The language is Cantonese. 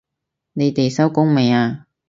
你哋收工未啊？